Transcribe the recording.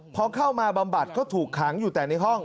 พอเข้ามาบำบัดก็ถูกขังอยู่แต่ในห้อง